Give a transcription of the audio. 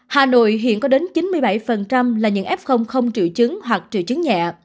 hà nội hiện có đến chín mươi bảy là những f không triệu chứng hoặc triệu chứng nhẹ